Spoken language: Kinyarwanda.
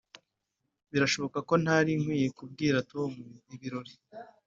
birashoboka ko ntari nkwiye kubwira tom ibirori.